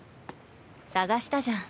捜したじゃん。